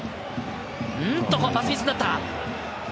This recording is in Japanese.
パスミスになった。